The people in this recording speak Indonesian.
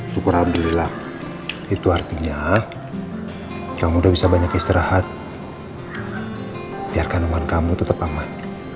syukur alhamdulillah itu artinya kamu udah bisa banyak istirahat biarkan teman kamu tetap aman